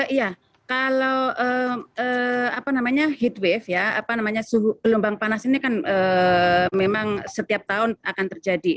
iya kalau heat wave ya apa namanya suhu gelombang panas ini kan memang setiap tahun akan terjadi